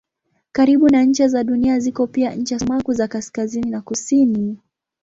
Karibu na ncha za Dunia ziko pia ncha sumaku za kaskazini na kusini.